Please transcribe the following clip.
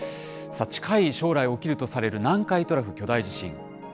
近い将来起きるとされる南海トラフ巨大地震。